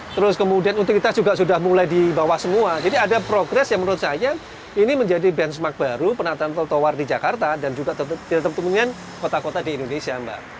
terus kemudian utilitas juga sudah mulai di bawah semua jadi ada progres yang menurut saya ini menjadi benchmark baru penataan trotoar di jakarta dan juga tetap temukan kota kota di indonesia mbak